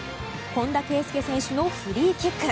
本田圭佑選手のフリーキック。